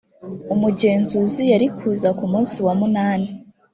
umugenzuzi yari kuza ku munsi wa munani